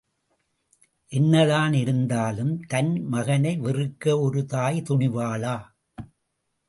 என்னதான் இருந்தாலும், தன் மகனை வெறுக்க ஒரு தாய் துணிவாளா!